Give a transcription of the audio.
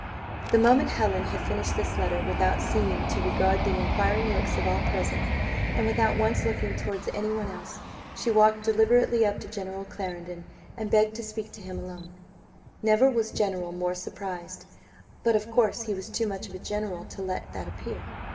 The moment Helen had finished this letter, without seeming to regard the inquiring looks of all present, and without once looking towards any one else, she walked deliberately up to General Clarendon, and begged to speak to him alone. Never was general more surprised, but of course he was too much of a general to let that appear.